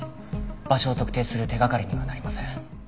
場所を特定する手掛かりにはなりません。